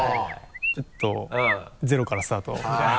ちょっとゼロからスタートみたいな。